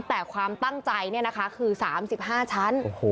แต่ความตั้งใจคือ๓๕ชั้น